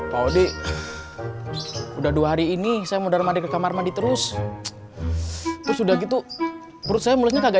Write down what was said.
paudi udah dua hari ini saya mudah mandi ke kamar mandi terus sudah gitu perutnya kagak